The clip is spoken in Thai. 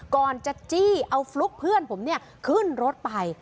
ก่อนจะจี้เอาฟลุ๊กเพื่อนผมเนี่ยขึ้นรถไป